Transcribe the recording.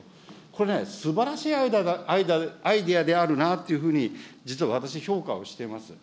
これね、すばらしいアイデアであるなっていうふうに、実は私、評価をしています。